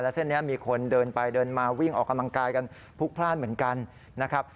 เส้นนี้มีคนเดินไปเดินมาวิ่งออกกำลังกายกันพลุกพลาดเหมือนกันนะครับ